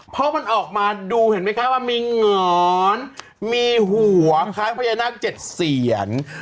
เพราะมันออกมาดูเห็นไหมคะว่ามีหงอนมีหัวคล้ายพญานาค๗เสียน